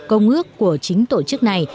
công ước của chính tổ chức này